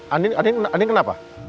andi andi andi kenapa